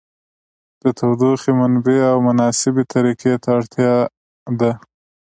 د تودوخې منبع او مناسبې طریقې ته اړتیا ده.